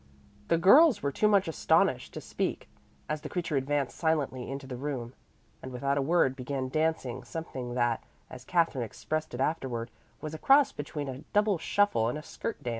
The girls were too much astonished to speak, as the creature advanced silently into the room, and without a word began dancing something that, as Katherine expressed it afterward, was a cross between a double shuffle and a skirt dance.